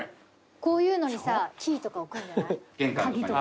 こういうのにさキーとか置くんじゃない？